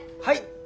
はい。